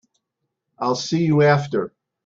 I'll see you after.